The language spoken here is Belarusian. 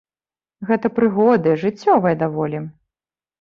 Гэта прыгоды, жыццёвыя даволі.